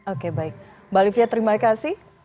oke baik mbak olivia terima kasih